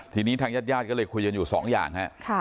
ทีนี้ทางยัดก็เลยคุยกันอยู่สองอย่าง